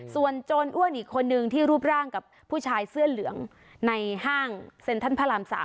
ส่วนโจรอ้วนอีกคนนึงที่รูปร่างกับผู้ชายเสื้อเหลืองในห้างเซ็นทรัลพระราม๓